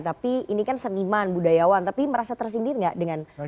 tapi ini kan seniman budayawan tapi merasa tersindir gak dengan pak malopo